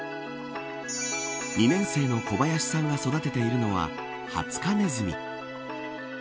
２年生の小林さんが育てているのはハツカネズミ。